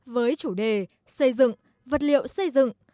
với chủ đề xây dựng vật liệu xây dựng